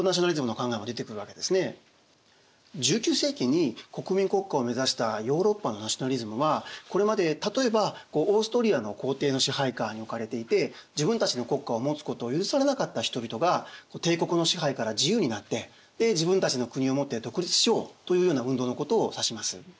１９世紀に国民国家を目指したヨーロッパのナショナリズムはこれまで例えばオーストリアの皇帝の支配下に置かれていて自分たちの国家を持つことを許されなかった人々が帝国の支配から自由になって自分たちの国を持って独立しようというような運動のことを指します。